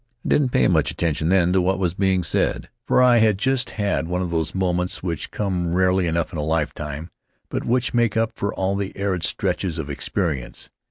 I didn't pay much attention then to what was being said, for I had just had one of those moments which come rarely enough in a lifetime, but which make up for all the arid stretches of experience.